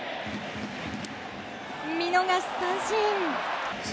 見逃し三振。